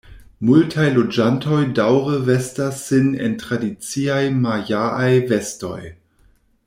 Multaj loĝantoj daŭre vestas sin en tradiciaj majaaj vestoj.